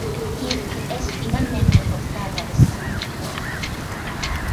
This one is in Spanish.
Kirk es finalmente forzado a destruirlo.